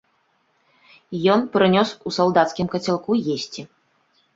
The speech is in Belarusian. Ён прынёс у салдацкім кацялку есці.